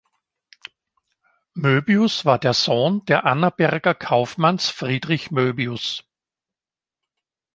Möbius war der Sohn der Annaberger Kaufmanns Friedrich Möbius.